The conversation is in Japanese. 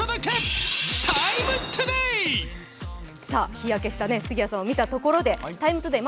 日焼けした杉谷さんを見たところで「ＴＩＭＥ，ＴＯＤＡＹ」